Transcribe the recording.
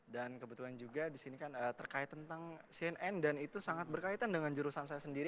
dan kebetulan juga di sini kan terkait tentang cnn dan itu sangat berkaitan dengan jurusan saya sendiri